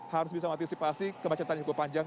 harus bisa mengantisipasi kemacetan yang cukup panjang